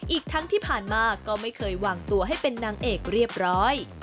อีกทั้งที่ผ่านมาก็ไม่เคยวางตัวให้เป็นนางเอกเรียบร้อย